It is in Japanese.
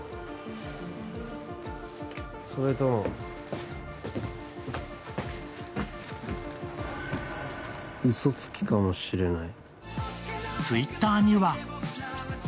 それとも、うそつきかもしれない。